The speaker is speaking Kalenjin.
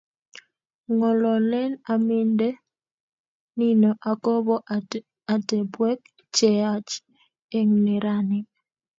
ng'ololen aminde nino akobo atebwek che yaach eng' neranik